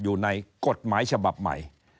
อยู่ในกฎหมายฉบับใหม่